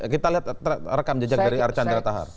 kita lihat rekam jejak dari archandra tahar